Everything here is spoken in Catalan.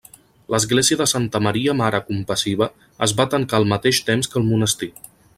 L'Església de Santa Maria Mare Compassiva es va tancar al mateix temps que el monestir.